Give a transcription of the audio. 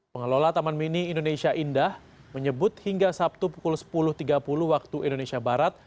pengelola taman mini indonesia indah menyebut hingga sabtu pukul sepuluh tiga puluh waktu indonesia barat